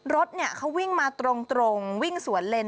รถเขาวิ่งมาตรงวิ่งสวนเลน